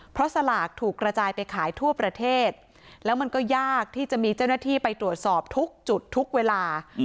เพราะสลากถูกกระจายไปขายทั่วประเทศแล้วมันก็ยากที่จะมีเจ้าหน้าที่ไปตรวจสอบทุกจุดทุกเวลา